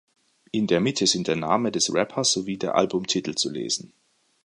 In der Mitte sind der Name des Rappers sowie der Albumtitel zu lesen.